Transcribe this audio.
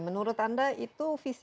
menurut anda itu visi